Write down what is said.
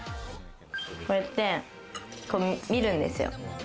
こうやって見るんですよ。